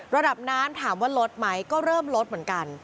ระดับน้ำถามว่าลดไหมก็เริ่มลดเหมือนกัน